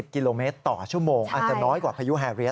กิโลเมตรต่อชั่วโมงอาจจะน้อยกว่าพายุแฮเรีย